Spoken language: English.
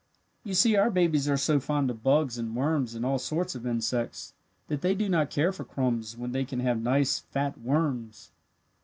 "You see our babies are so fond of bugs and worms and all sorts of insects, that they do not care for crumbs when they can have nice fat worms.